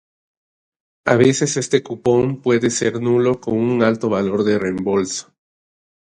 A veces este cupón puede ser nulo con un alto valor de reembolso.